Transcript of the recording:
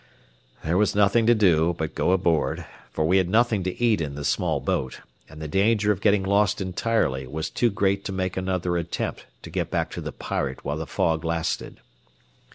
There was nothing to do but go aboard, for we had nothing to eat in the small boat, and the danger of getting lost entirely was too great to make another attempt to get back to the Pirate while the fog lasted.